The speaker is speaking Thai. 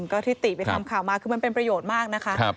ก็ที่ติไปทำข่าวมาคือมันเป็นประโยชน์มากนะคะ